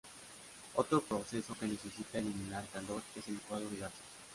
Otro proceso que necesita eliminar calor es el licuado de gases.